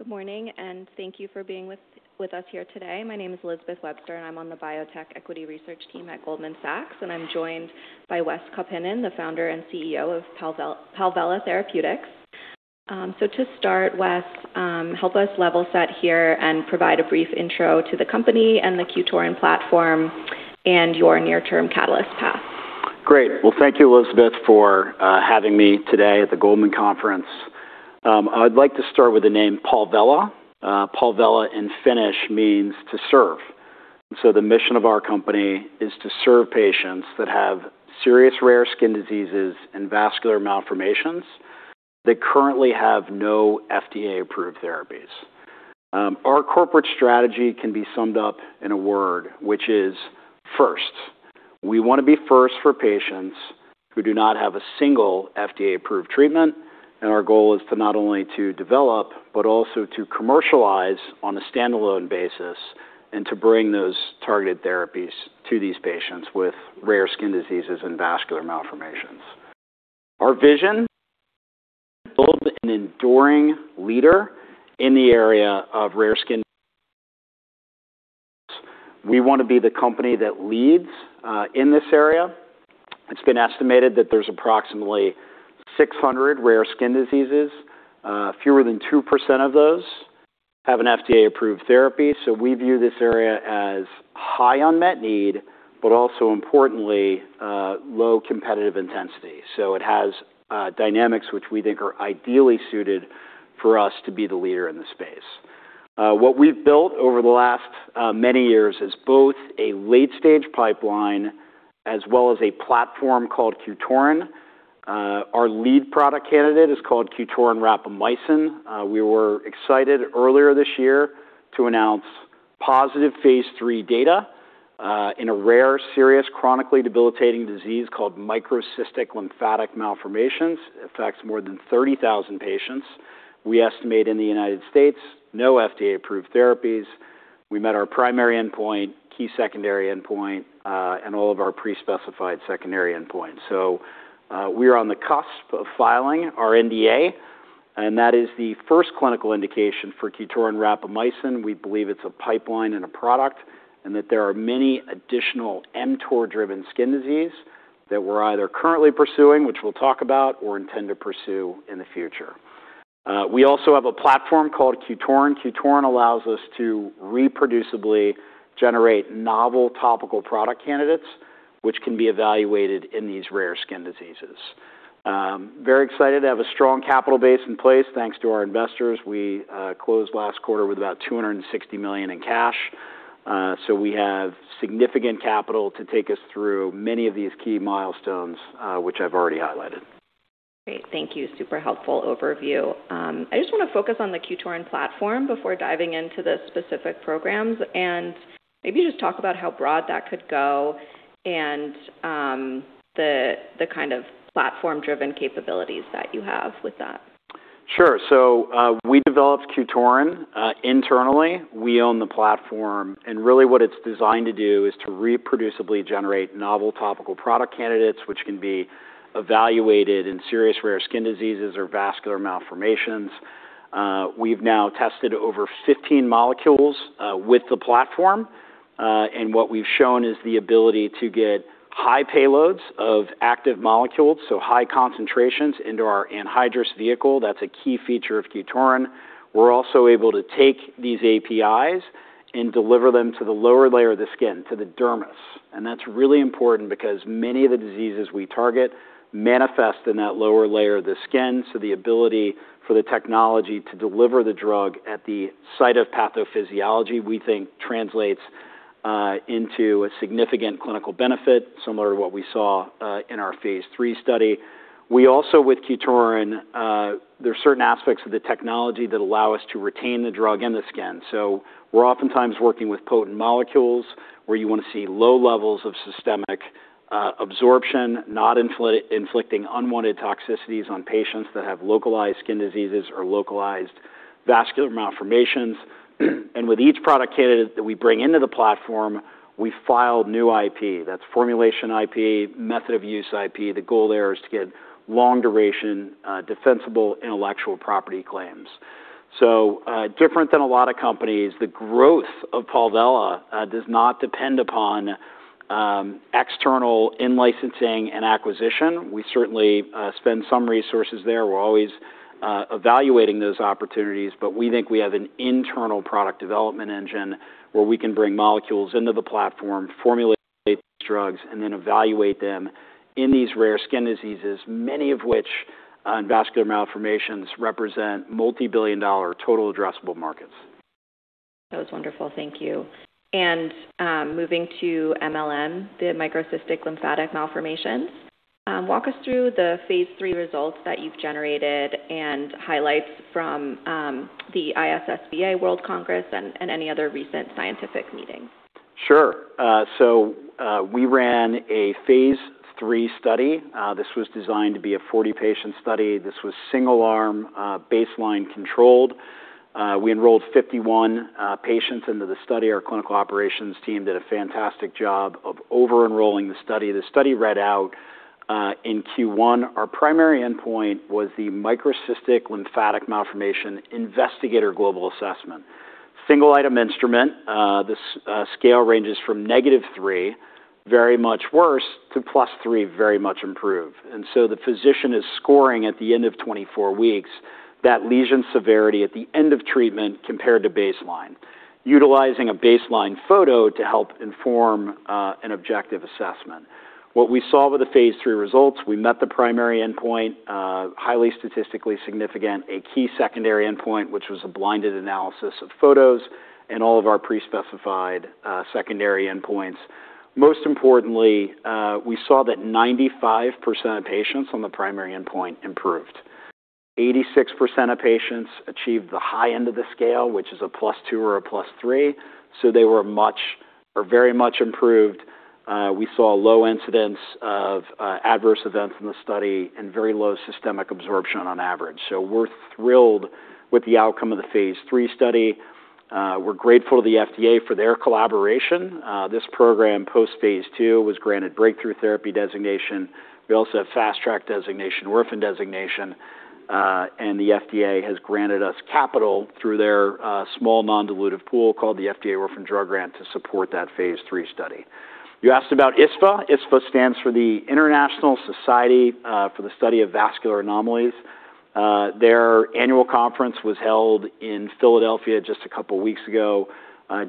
Good morning, and thank you for being with us here today. My name is Elizabeth Webster, and I'm on the Biotech Equity Research team at Goldman Sachs, and I'm joined by Wes Kaupinen, the founder and CEO of Palvella Therapeutics. To start, Wes, help us level set here and provide a brief intro to the company and the QTORIN platform and your near-term catalyst path. Great. Well, thank you, Elizabeth, for having me today at the Goldman Conference. I'd like to start with the name Palvella. Palvella in Finnish means to serve the mission of our company is to serve patients that have serious rare skin diseases and vascular malformations that currently have no FDA-approved therapies. Our corporate strategy can be summed up in a word, which is first. We want to be first for patients who do not have a single FDA-approved treatment, and our goal is to not only to develop, but also to commercialize on a standalone basis and to bring those targeted therapies to these patients with rare skin diseases and vascular malformations. Our vision, build an enduring leader in the area of rare skin. We want to be the company that leads in this area. It's been estimated that there's approximately 600 rare skin diseases. Fewer than 2% of those have an FDA-approved therapy. We view this area as high unmet need, but also importantly, low competitive intensity. It has dynamics which we think are ideally suited for us to be the leader in the space. What we've built over the last many years is both a late-stage pipeline as well as a platform called QTORIN. Our lead product candidate is called QTORIN rapamycin. We were excited earlier this year to announce positive phase III data in a rare, serious, chronically debilitating disease called microcystic lymphatic malformations. It affects more than 30,000 patients, we estimate, in the United States. No FDA-approved therapies. We met our primary endpoint, key secondary endpoint, and all of our pre-specified secondary endpoints. We are on the cusp of filing our NDA, and that is the first clinical indication for QTORIN rapamycin. We believe it's a pipeline and a product, and that there are many additional mTOR-driven skin disease that we're either currently pursuing, which we'll talk about, or intend to pursue in the future. We also have a platform called QTORIN. QTORIN allows us to reproducibly generate novel topical product candidates, which can be evaluated in these rare skin diseases. Very excited to have a strong capital base in place. Thanks to our investors, we closed last quarter with about $260 million in cash. We have significant capital to take us through many of these key milestones, which I've already highlighted. Great. Thank you. Super helpful overview. I just want to focus on the QTORIN platform before diving into the specific programs, and maybe just talk about how broad that could go and the kind of platform-driven capabilities that you have with that. We developed QTORIN internally. We own the platform, and really what it's designed to do is to reproducibly generate novel topical product candidates, which can be evaluated in serious rare skin diseases or vascular malformations. We've now tested over 15 molecules with the platform, and what we've shown is the ability to get high payloads of active molecules, so high concentrations into our anhydrous vehicle. That's a key feature of QTORIN. We're also able to take these APIs and deliver them to the lower layer of the skin, to the dermis, and that's really important because many of the diseases we target manifest in that lower layer of the skin. The ability for the technology to deliver the drug at the site of pathophysiology, we think translates into a significant clinical benefit, similar to what we saw in our phase III study. We also, with QTORIN, there are certain aspects of the technology that allow us to retain the drug in the skin. We're oftentimes working with potent molecules where you want to see low levels of systemic absorption, not inflicting unwanted toxicities on patients that have localized skin diseases or localized vascular malformations. With each product candidate that we bring into the platform, we file new IP. That's formulation IP, method of use IP. The goal there is to get long-duration, defensible intellectual property claims. Different than a lot of companies, the growth of Palvella does not depend upon external in-licensing and acquisition. We certainly spend some resources there. We're always evaluating those opportunities we think we have an internal product development engine where we can bring molecules into the platform, formulate these drugs, and then evaluate them in these rare skin diseases, many of which, in vascular malformations, represent multi-billion dollar total addressable markets. That was wonderful. Thank you. Moving to mLM, the microcystic lymphatic malformations, walk us through the phase III results that you've generated and highlights from the ISSVA World Congress and any other recent scientific meetings. Sure. We ran a phase III study this was designed to be a 40-patient study. This was single-arm, baseline controlled we enrolled 51 patients into the study. Our clinical operations team did a fantastic job of over-enrolling the study. The study read out in Q1 our primary endpoint was the microcystic lymphatic malformation Investigator Global Assessment. Single item instrument this scale ranges from negative three, very much worse, to plus three, very much improved. The physician is scoring at the end of 24 weeks that lesion severity at the end of treatment compared to baseline, utilizing a baseline photo to help inform an objective assessment. What we saw with the phase III results, we met the primary endpoint, highly statistically significant, a key secondary endpoint, which was a blinded analysis of photos and all of our pre-specified secondary endpoints. Most importantly, we saw that 95% of patients on the primary endpoint improved. 86% of patients achieved the high end of the scale, which is a plus two or a plus three, so they were much or very much improved. We saw low incidents of adverse events in the study and very low systemic absorption on average. We're thrilled with the outcome of the phase III study. We're grateful to the FDA for their collaboration. This program, post phase II, was granted Breakthrough Therapy designation. We also have Fast Track designation, Orphan Designation, and the FDA has granted us capital through their small non-dilutive pool called the FDA Orphan Drug Grant to support that phase III study. You asked about ISSVA. ISSVA stands for the International Society for the Study of Vascular Anomalies. Their annual conference was held in Philadelphia just a couple of weeks ago.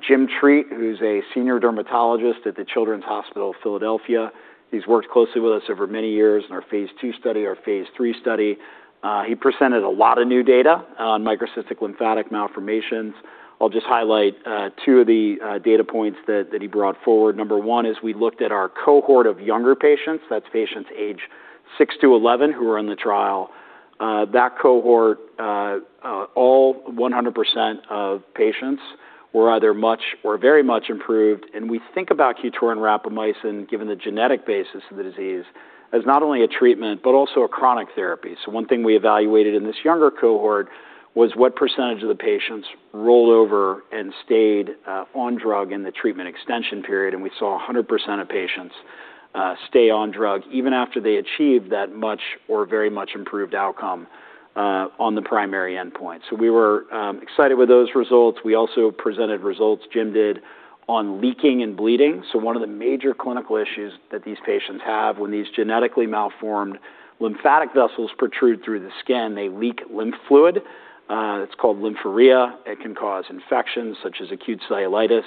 Jim Treat, who's a senior dermatologist at the Children's Hospital of Philadelphia, he's worked closely with us over many years in our phase II study, our phase III study. He presented a lot of new data on microcystic lymphatic malformations. I'll just highlight two of the data points that he brought forward. Number one is we looked at our cohort of younger patients. That's patients age 6-11 who were in the trial. That cohort, all 100% of patients were either much or very much improved, and we think about QTORIN rapamycin, given the genetic basis of the disease, as not only a treatment, but also a chronic therapy. One thing we evaluated in this younger cohort was what percentage of the patients rolled over and stayed on drug in the treatment extension period, and we saw 100% of patients stay on drug even after they achieved that much or very much improved outcome on the primary endpoint. We were excited with those results. We also presented results Jim did on leaking and bleeding. One of the major clinical issues that these patients have, when these genetically malformed lymphatic vessels protrude through the skin, they leak lymph fluid. It's called lymphorrhea. It can cause infections such as acute cellulitis.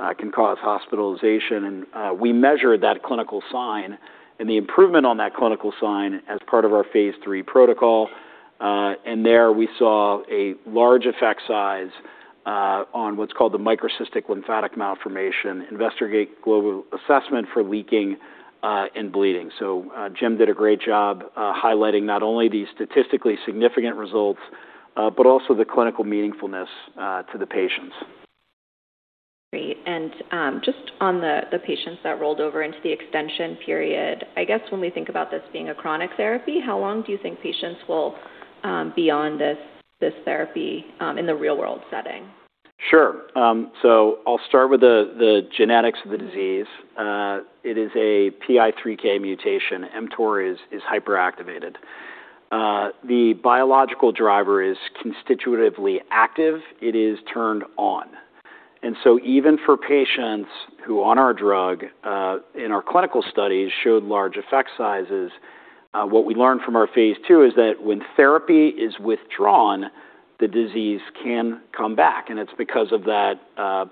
It can cause hospitalization. We measured that clinical sign and the improvement on that clinical sign as part of our phase III protocol. There we saw a large effect size, on what's called the microcystic lymphatic malformation Investigator Global Assessment for leaking and bleeding. Jim did a great job highlighting not only the statistically significant results, but also the clinical meaningfulness to the patients. Great. Just on the patients that rolled over into the extension period, I guess when we think about this being a chronic therapy, how long do you think patients will be on this therapy in the real world setting? Sure. I'll start with the genetics of the disease. It is a PI3K mutation. mTOR is hyperactivated. The biological driver is constitutively active. It is turned on. Even for patients who on our drug, in our clinical studies, showed large effect sizes, what we learned from our phase II is that when therapy is withdrawn, the disease can come back, and it's because of that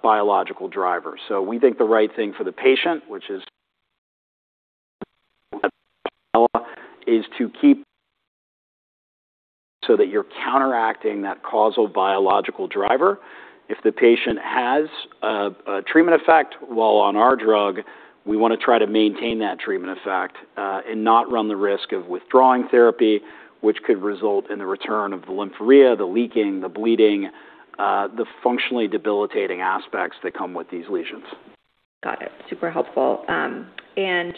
biological driver. We think the right thing for the patient, which is to keep so that you're counteracting that causal biological driver. If the patient has a treatment effect while on our drug, we want to try to maintain that treatment effect, and not run the risk of withdrawing therapy, which could result in the return of the lymphorrhea, the leaking, the bleeding, the functionally debilitating aspects that come with these lesions. Got it. Super helpful.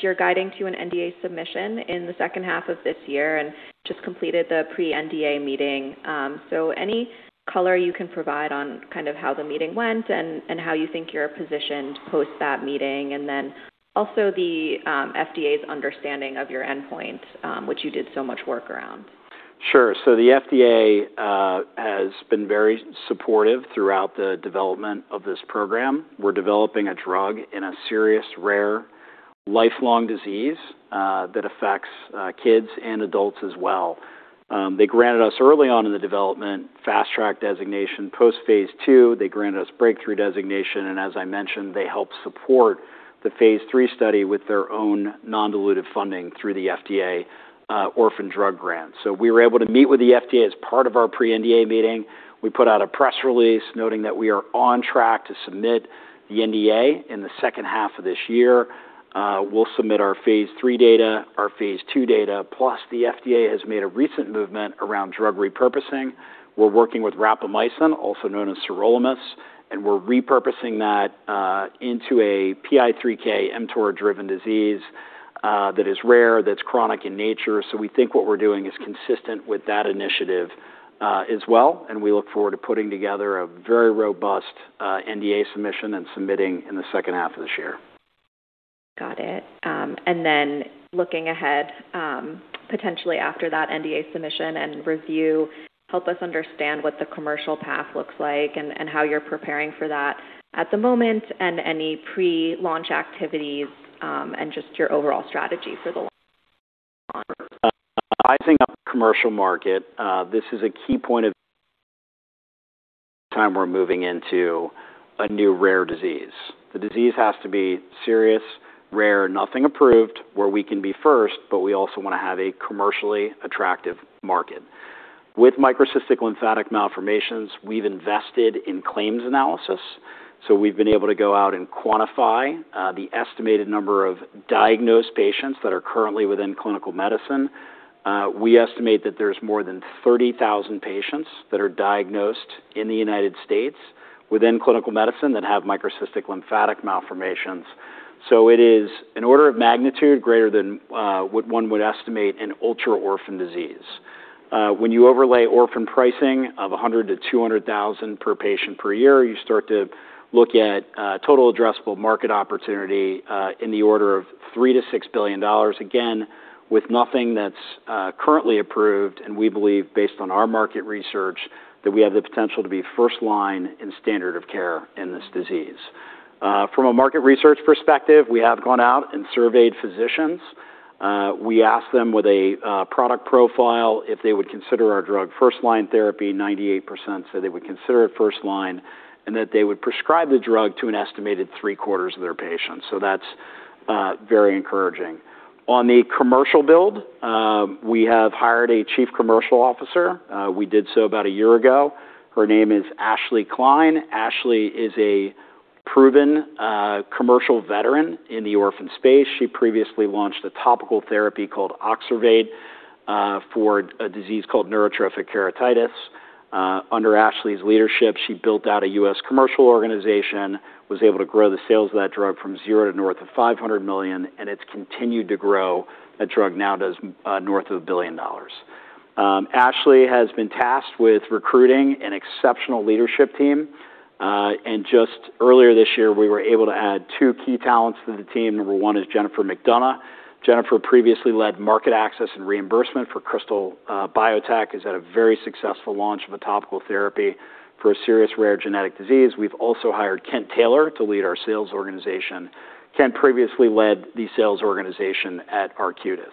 You're guiding to an NDA submission in the second half of this year and just completed the pre-NDA meeting. Any color you can provide on kind of how the meeting went and how you think you're positioned post that meeting, and then also the FDA's understanding of your endpoints, which you did so much work around. Sure. The FDA has been very supportive throughout the development of this program. We're developing a drug in a serious, rare, lifelong disease that affects kids and adults as well. They granted us early on in the development Fast Track designation. Post phase II, they granted us Breakthrough designation, and as I mentioned, they helped support the phase III study with their own non-dilutive funding through the Orphan Drug Grants. We were able to meet with the FDA as part of our pre-NDA meeting. We put out a press release noting that we are on track to submit the NDA in the second half of this year. We'll submit our phase III data, our phase II data, plus the FDA has made a recent movement around drug repurposing. We're working with rapamycin, also known as sirolimus, and we're repurposing that into a PI3K mTOR-driven disease, that is rare, that's chronic in nature. We think what we're doing is consistent with that initiative as well, and we look forward to putting together a very robust NDA submission and submitting in the second half of this year. Got it. Then looking ahead, potentially after that NDA submission and review, help us understand what the commercial path looks like and how you're preparing for that at the moment, and any pre-launch activities, and just your overall strategy for the launch. I think our commercial market, this is a key point of time we're moving into a new rare disease. The disease has to be serious, rare, nothing approved, where we can be first, but we also want to have a commercially attractive market. With microcystic lymphatic malformations, we've invested in claims analysis, so we've been able to go out and quantify the estimated number of diagnosed patients that are currently within clinical medicine. We estimate that there's more than 30,000 patients that are diagnosed in the U.S. within clinical medicine that have microcystic lymphatic malformations. It is an order of magnitude greater than what one would estimate an ultra-orphan disease. When you overlay orphan pricing of $100,000-$200,000 per patient per year, you start to look at total addressable market opportunity in the order of $3 billion-$6 billion, again, with nothing that's currently approved. We believe, based on our market research, that we have the potential to be first-line in standard of care in this disease. From a market research perspective, we have gone out and surveyed physicians. We asked them with a product profile if they would consider our drug first-line therapy. 98% said they would consider it first line, and that they would prescribe the drug to an estimated three-quarters of their patients. That's very encouraging. On the commercial build, we have hired a Chief Commercial Officer. We did so about a year ago. Her name is Ashley Kline. Ashley is a proven commercial veteran in the orphan space. She previously launched a topical therapy called Oxervate for a disease called neurotrophic keratitis. Under Ashley's leadership, she built out a U.S. commercial organization, was able to grow the sales of that drug from zero to north of $500 million, and it's continued to grow. That drug now does north of $1 billion. Ashley has been tasked with recruiting an exceptional leadership team, and just earlier this year, we were able to add two key talents to the team. Number one is Jennifer McDonough. Jennifer previously led market access and reimbursement for Krystal Biotech, has had a very successful launch of a topical therapy for a serious rare genetic disease. We've also hired Kent Taylor to lead our sales organization. Kent previously led the sales organization at Arcutis.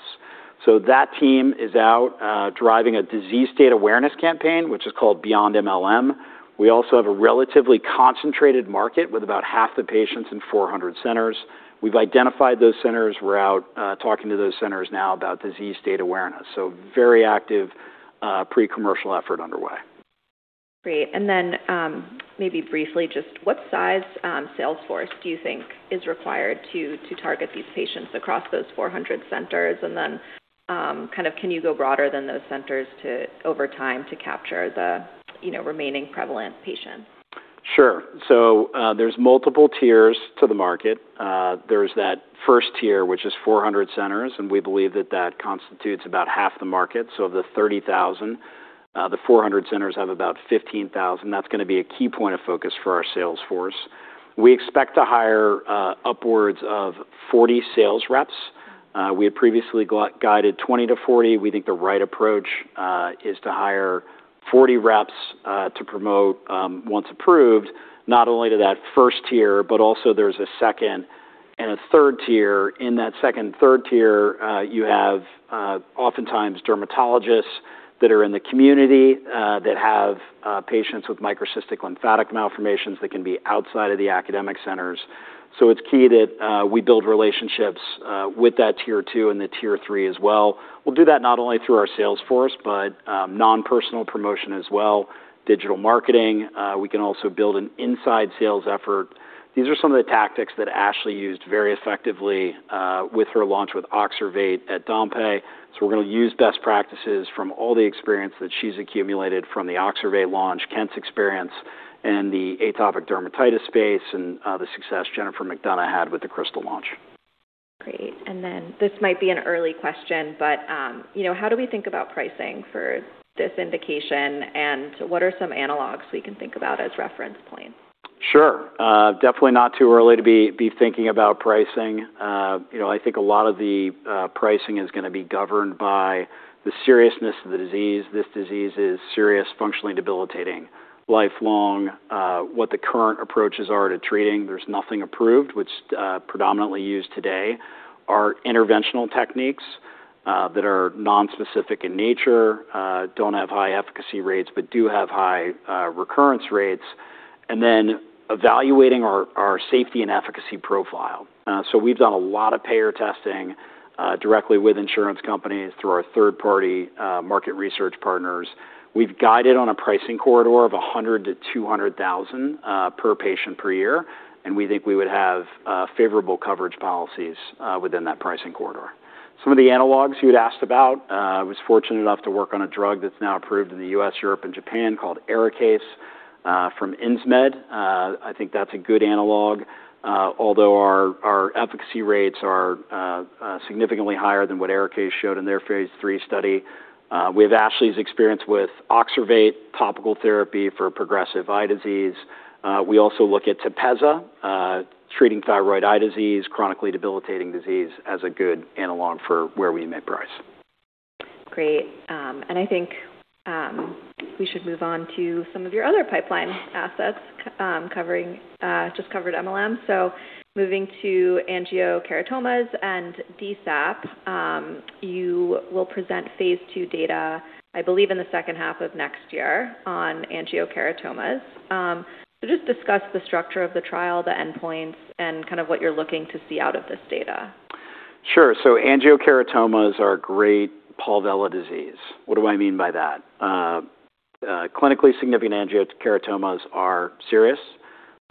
That team is out driving a disease state awareness campaign, which is called BEYOND mLM. We also have a relatively concentrated market with about half the patients in 400 centers. We've identified those centers. We're out talking to those centers now about disease state awareness. Very active pre-commercial effort underway. Great. Maybe briefly, just what size sales force do you think is required to target these patients across those 400 centers? Can you go broader than those centers over time to capture the remaining prevalent patients? Sure. There's multiple tiers to the market. There's that tier 1, which is 400 centers, and we believe that that constitutes about half the market. Of the 30,000, the 400 centers have about 15,000. That's going to be a key point of focus for our sales force. We expect to hire upwards of 40 sales reps. We had previously guided 20 to 40. We think the right approach is to hire 40 reps to promote, once approved, not only to that tier 1, but also there's a second and a third tier in that second third tier tier, you have oftentimes dermatologists that are in the community that have patients with microcystic lymphatic malformations that can be outside of the academic centers. It's key that we build relationships with that tier 2 and the tier 3 as well. We'll do that not only through our sales force, but non-personal promotion as well, digital marketing. We can also build an inside sales effort. These are some of the tactics that Ashley used very effectively with her launch with Oxervate at Dompé. We're going to use best practices from all the experience that she's accumulated from the Oxervate launch, Kent's experience in the atopic dermatitis space, and the success Jennifer McDonough had with the Krystal launch. Great. This might be an early question, how do we think about pricing for this indication, and what are some analogs we can think about as reference points? Sure. Definitely not too early to be thinking about pricing. A lot of the pricing is going to be governed by the seriousness of the disease. This disease is serious, functionally debilitating, lifelong. What the current approaches are to treating, there's nothing approved. Predominantly used today are interventional techniques that are non-specific in nature, don't have high efficacy rates, but do have high recurrence rates. Evaluating our safety and efficacy profile. We've done a lot of payer testing directly with insurance companies through our third-party market research partners. We've guided on a pricing corridor of $100,000-$200,000 per patient per year, and we think we would have favorable coverage policies within that pricing corridor. Some of the analogs you had asked about, I was fortunate enough to work on a drug that's now approved in the U.S., Europe, and Japan called ARIKAYCE from Insmed. That's a good analog, although our efficacy rates are significantly higher than what ARIKAYCE showed in their phase III study. We have Ashley's experience with Oxervate topical therapy for progressive eye disease. We also look at TEPEZZA, treating thyroid eye disease, chronically debilitating disease, as a good analog for where we may price. Great. We should move on to some of your other pipeline assets, just covered mLM. Moving to angiokeratomas and DSAP, you will present phase II data in the second half of next year on angiokeratomas. Just discuss the structure of the trial, the endpoints, and kind of what you're looking to see out of this data. Sure. Angiokeratomas are great Palvella disease. What do I mean by that? Clinically significant angiokeratomas are serious,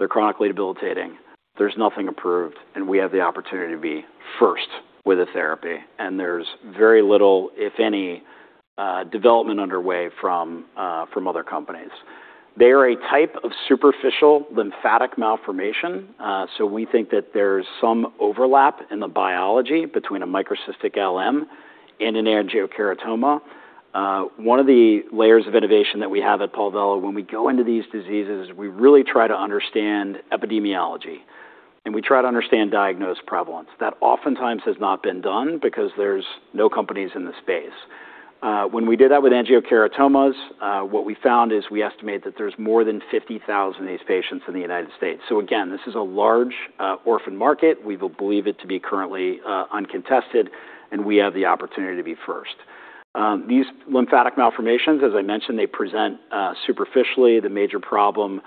they're chronically debilitating, there's nothing approved, and we have the opportunity to be first with a therapy, and there's very little, if any, development underway from other companies. They are a type of superficial lymphatic malformation. We think that there's some overlap in the biology between a microcystic LM and an angiokeratoma. One of the layers of innovation that we have at Palvella, when we go into these diseases, we really try to understand epidemiology, and we try to understand diagnosed prevalence. That oftentimes has not been done because there's no companies in the space. When we did that with angiokeratomas, what we found is we estimate that there's more than 50,000 of these patients in the U.S. Again, this is a large orphan market. We believe it to be currently uncontested. We have the opportunity to be first. These lymphatic malformations, as I mentioned, they present superficially. The major problem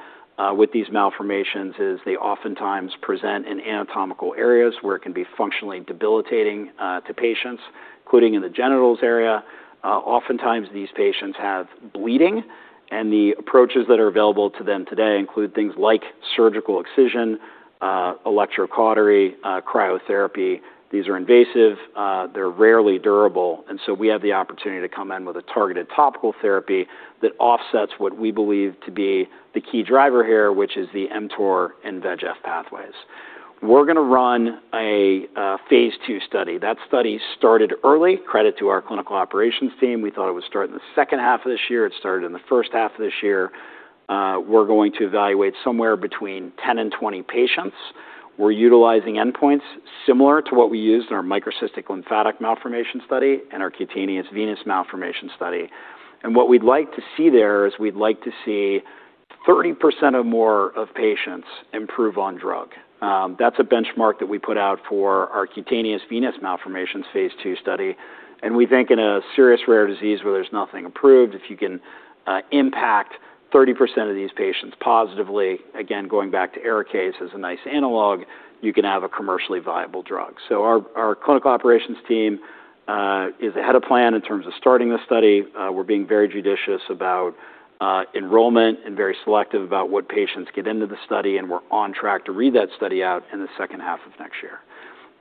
with these malformations is they oftentimes present in anatomical areas where it can be functionally debilitating to patients, including in the genitals area. Oftentimes, these patients have bleeding. The approaches that are available to them today include things like surgical excision, electrocautery, cryotherapy. These are invasive, they're rarely durable. We have the opportunity to come in with a targeted topical therapy that offsets what we believe to be the key driver here, which is the mTOR and VEGF pathways. We're going to run a phase II study. That study started early. Credit to our clinical operations team. We thought it would start in the second half of this year. It started in the first half of this year. We're going to evaluate somewhere between 10 and 20 patients. We're utilizing endpoints similar to what we used in our microcystic lymphatic malformation study and our cutaneous venous malformation study. What we'd like to see there is we'd like to see 30% or more of patients improve on drug. That's a benchmark that we put out for our cutaneous venous malformations phase II study. We think in a serious rare disease where there's nothing approved, if you can impact 30% of these patients positively, again, going back to ARIKAYCE as a nice analog, you can have a commercially viable drug. Our clinical operations team is ahead of plan in terms of starting this study. We're being very judicious about enrollment and very selective about what patients get into the study, and we're on track to read that study out in the second half of next year.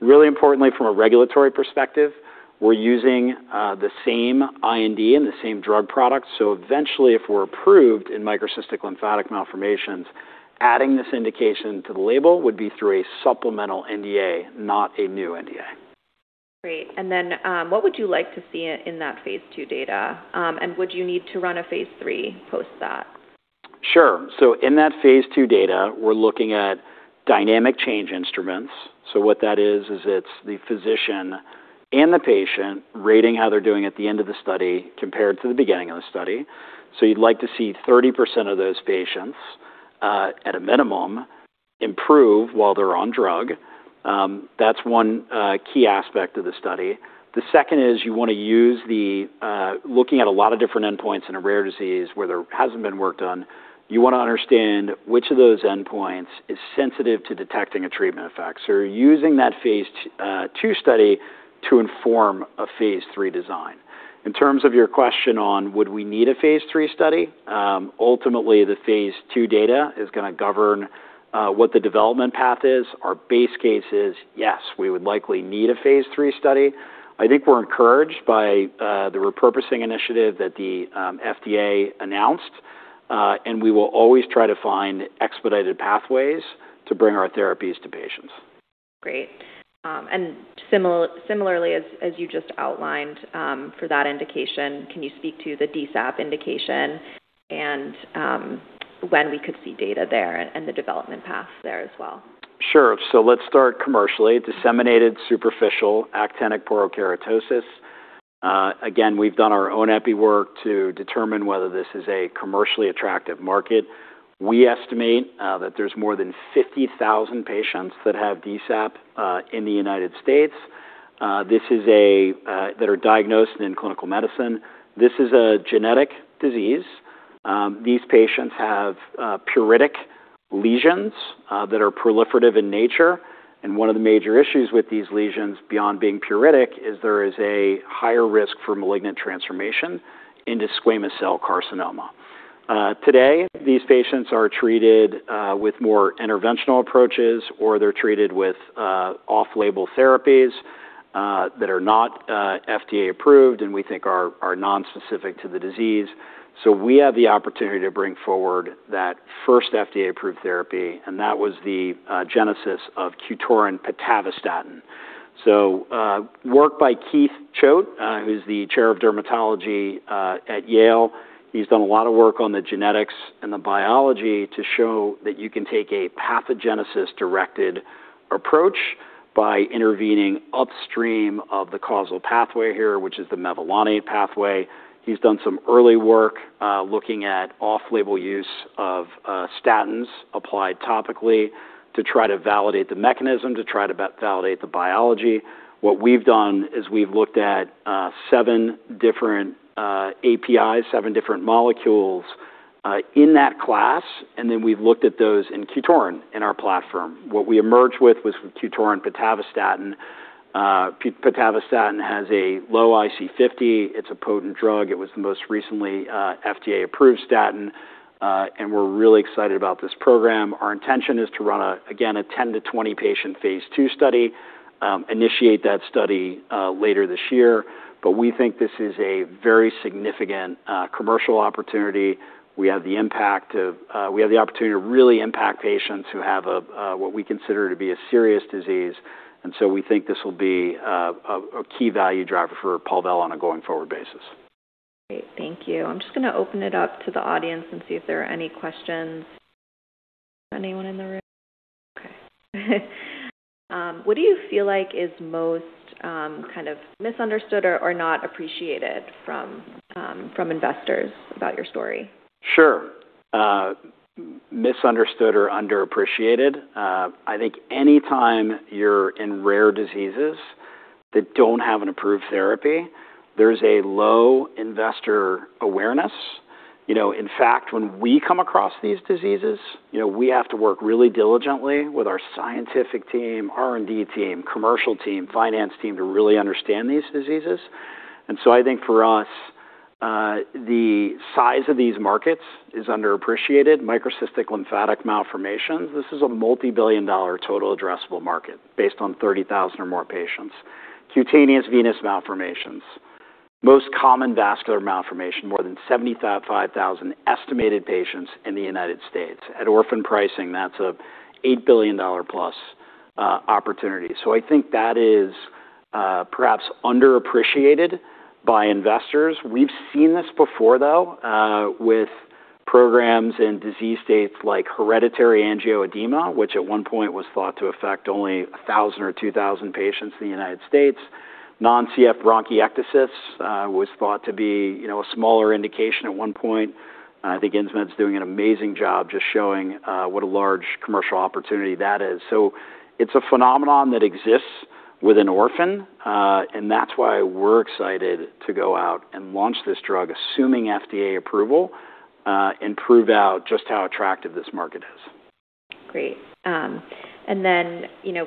Really importantly, from a regulatory perspective, we're using the same IND and the same drug product. Eventually, if we're approved in microcystic lymphatic malformations, adding this indication to the label would be through a supplemental NDA, not a new NDA. Great. What would you like to see in that phase II data? Would you need to run a phase III post that? Sure. In that phase II data, we're looking at dynamic change instruments. What that is, it's the physician and the patient rating how they're doing at the end of the study compared to the beginning of the study. You'd like to see 30% of those patients, at a minimum, improve while they're on drug. That's one key aspect of the study. The second is you want to use the, looking at a lot of different endpoints in a rare disease where there hasn't been work done, you want to understand which of those endpoints is sensitive to detecting a treatment effect. You're using that phase II study to inform a phase III design. In terms of your question on would we need a phase III study, ultimately, the phase II data is going to govern what the development path is. Our base case is, yes, we would likely need a phase III study. I think we're encouraged by the repurposing initiative that the FDA announced, we will always try to find expedited pathways to bring our therapies to patients. Great. Similarly, as you just outlined, for that indication, can you speak to the DSAP indication and when we could see data there and the development path there as well? Sure. Let's start commercially. Disseminated superficial actinic porokeratosis. Again, we've done our own epi work to determine whether this is a commercially attractive market. We estimate that there's more than 50,000 patients that have DSAP in the U.S. that are diagnosed in clinical medicine. This is a genetic disease. These patients have pruritic lesions that are proliferative in nature, one of the major issues with these lesions, beyond being pruritic, is there is a higher risk for malignant transformation into squamous cell carcinoma. Today, these patients are treated with more interventional approaches, or they're treated with off-label therapies that are not FDA-approved, we think are nonspecific to the disease. We have the opportunity to bring forward that first FDA-approved therapy, that was the genesis of QTORIN and pitavastatin. Work by Keith Choate, who's the Chair of Dermatology at Yale, he's done a lot of work on the genetics and the biology to show that you can take a pathogenesis-directed approach by intervening upstream of the mevalonate pathway. He's done some early work looking at off-label use of statins applied topically to try to validate the mechanism, to try to validate the biology. What we've done is we've looked at seven different APIs, seven different molecules in that class, and then we've looked at those in QTORIN in our platform. What we emerged with was QTORIN pitavastatin. pitavastatin has a low IC50. It's a potent drug. It was the most recently FDA-approved statin, and we're really excited about this program. Our intention is to run, again, a 10-20 patient Phase II study, initiate that study later this year. We think this is a very significant commercial opportunity. We have the opportunity to really impact patients who have what we consider to be a serious disease, we think this will be a key value driver for Palvella on a going-forward basis. Great. Thank you. I'm just going to open it up to the audience and see if there are any questions. Anyone in the room? What do you feel like is most kind of misunderstood or not appreciated from investors about your story? Sure. Misunderstood or underappreciated. I think any time you're in rare diseases that don't have an approved therapy, there's a low investor awareness. In fact, when we come across these diseases, we have to work really diligently with our scientific team, R&D team, commercial team, finance team to really understand these diseases. I think for us, the size of these markets is underappreciated. microcystic lymphatic malformations, this is a multi-billion dollar total addressable market based on 30,000 or more patients. cutaneous venous malformations, most common vascular malformation, more than 75,000 estimated patients in the U.S. At orphan pricing, that's a $8 billion plus opportunity. I think that is perhaps underappreciated by investors. We've seen this before, though, with programs in disease states like hereditary angioedema, which at one point was thought to affect only 1,000 or 2,000 patients in the U.S. Non-CF bronchiectasis was thought to be a smaller indication at one point. I think Insmed's doing an amazing job just showing what a large commercial opportunity that is. It's a phenomenon that exists within orphan, and that's why we're excited to go out and launch this drug, assuming FDA approval, and prove out just how attractive this market is. Great.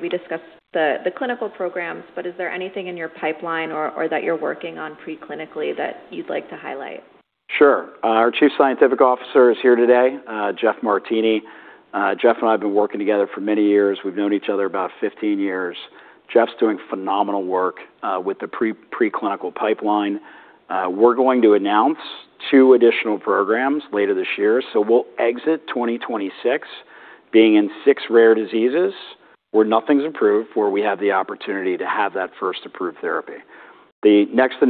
We discussed the clinical programs, but is there anything in your pipeline or that you're working on pre-clinically that you'd like to highlight? Sure. Our Chief Scientific Officer is here today, Jeff Martini. Jeff and I have been working together for many years. We've known each other about 15 years. Jeff's doing phenomenal work with the pre-clinical pipeline. We're going to announce two additional programs later this year, so we'll exit 2026 being in six rare diseases where nothing's approved, where we have the opportunity to have that first approved therapy. The next two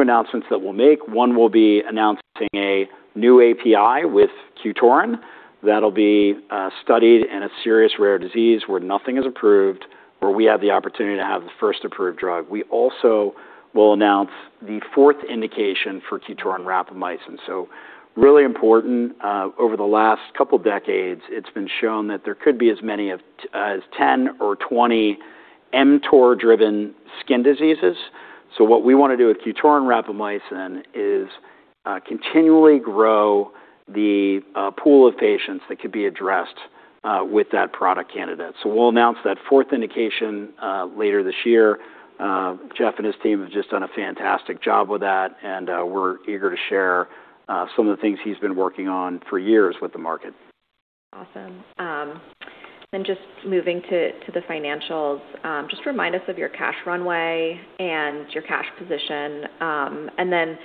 announcements that we'll make, one will be announcing a new API with QTORIN that'll be studied in a serious rare disease where nothing is approved, where we have the opportunity to have the first approved drug. We also will announce the fourth indication for QTORIN rapamycin. Really important. Over the last couple decades, it's been shown that there could be as many as 10 or 20 mTOR-driven skin diseases. What we want to do with QTORIN rapamycin is continually grow the pool of patients that could be addressed with that product candidate. We'll announce that fourth indication later this year. Jeff and his team have just done a fantastic job with that, and we're eager to share some of the things he's been working on for years with the market. Just moving to the financials, just remind us of your cash runway and your cash position, and then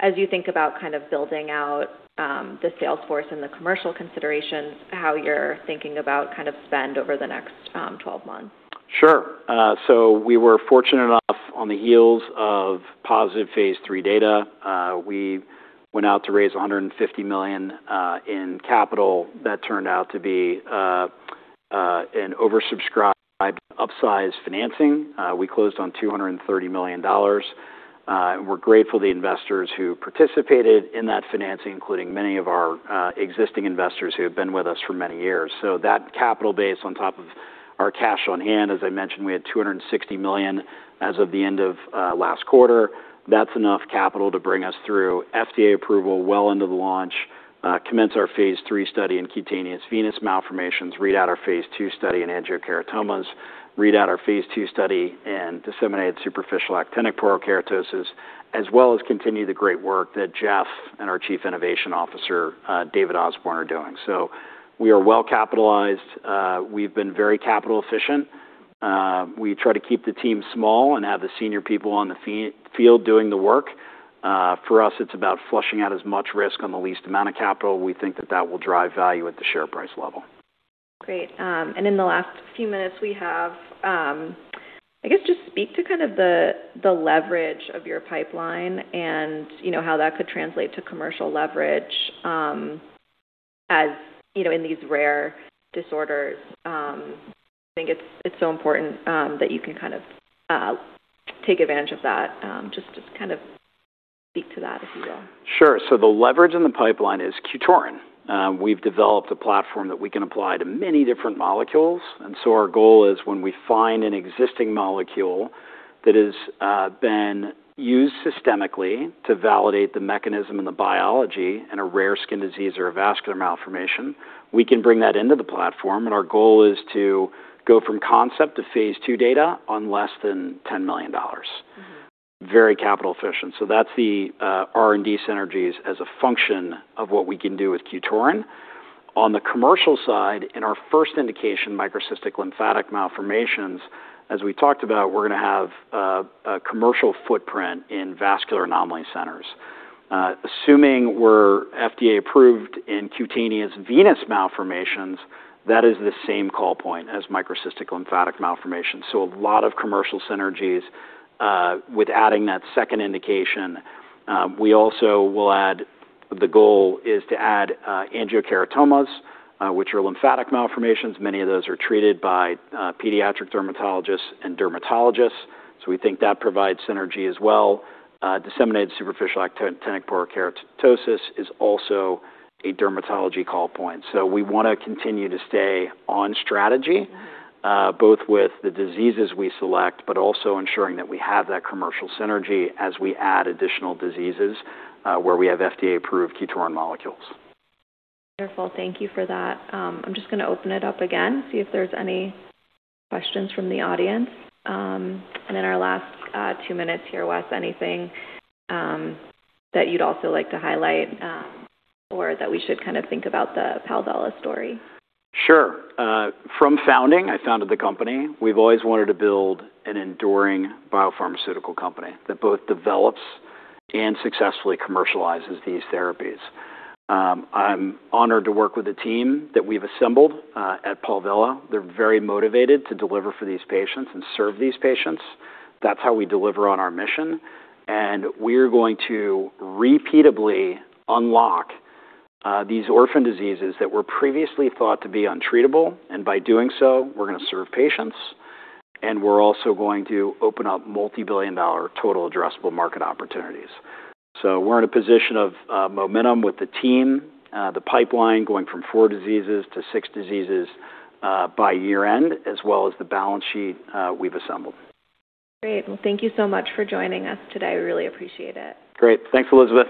as you think about building out the sales force and the commercial considerations, how you're thinking about spend over the next 12 months. Sure. We were fortunate enough on the heels of positive phase III data, we went out to raise $150 million in capital. That turned out to be an oversubscribed, upsized financing. We closed on $230 million. We're grateful to the investors who participated in that financing, including many of our existing investors who have been with us for many years. That capital base on top of our cash on hand, as I mentioned, we had $260 million as of the end of last quarter. That's enough capital to bring us through FDA approval well into the launch, commence our phase III study in cutaneous venous malformations, read out our phase II study in angiokeratomas, read out our phase II study in disseminated superficial actinic porokeratosis, as well as continue the great work that Jeff and our Chief Innovation Officer, David Osborne, are doing. We are well capitalized. We've been very capital efficient. We try to keep the team small and have the senior people on the field doing the work. For us, it's about flushing out as much risk on the least amount of capital. We think that that will drive value at the share price level. Great. In the last few minutes we have, I guess, just speak to the leverage of your pipeline and how that could translate to commercial leverage. As you know, in these rare disorders, I think it's so important that you can kind of take advantage of that. Just to kind of speak to that, if you will. Sure. The leverage in the pipeline is QTORIN. We've developed a platform that we can apply to many different molecules. Our goal is when we find an existing molecule that has been used systemically to validate the mechanism and the biology in a rare skin disease or a vascular malformation, we can bring that into the platform. Our goal is to go from concept to phase II data on less than $10 million. Very capital efficient. That's the R&D synergies as a function of what we can do with QTORIN. On the commercial side, in our first indication, microcystic lymphatic malformations, as we talked about, we're going to have a commercial footprint in vascular anomaly centers. Assuming we're FDA approved in cutaneous venous malformations, that is the same call point as microcystic lymphatic malformations. A lot of commercial synergies with adding that second indication. We also will add, the goal is to add angiokeratomas, which are lymphatic malformations. Many of those are treated by pediatric dermatologists and dermatologists. We think that provides synergy as well. Disseminated superficial actinic porokeratosis is also a dermatology call point. We want to continue to stay on strategy- Yeah both with the diseases we select, ensuring that we have that commercial synergy as we add additional diseases where we have FDA-approved QTORIN molecules. Wonderful. Thank you for that. I'm just going to open it up again, see if there's any questions from the audience. In our last two minutes here, Wes, anything that you'd also like to highlight, or that we should kind of think about the Palvella story? Sure. From founding, I founded the company, we've always wanted to build an enduring biopharmaceutical company that both develops and successfully commercializes these therapies. I'm honored to work with the team that we've assembled at Palvella. They're very motivated to deliver for these patients and serve these patients. That's how we deliver on our mission, and we're going to repeatably unlock these orphan diseases that were previously thought to be untreatable, and by doing so, we're going to serve patients, and we're also going to open up multi-billion dollar total addressable market opportunities. We're in a position of momentum with the team, the pipeline going from four diseases to six diseases by year-end, as well as the balance sheet we've assembled. Great. Well, thank you so much for joining us today. We really appreciate it. Great. Thanks, Elizabeth.